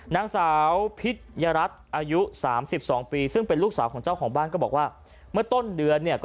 นางสาวพิษยรัฐอายุ๓๒ปีซึ่งเป็นลูกสาวของเจ้าของบ้านก็บอกว่าเมื่อต้นเดือนเนี่ยก็